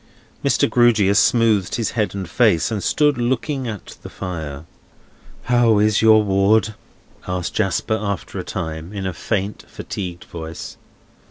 Mr. Grewgious smoothed his head and face, and stood looking at the fire. "How is your ward?" asked Jasper, after a time, in a faint, fatigued voice.